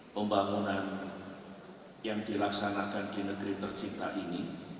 pembangunan yang dilaksanakan di negeri tercipta ini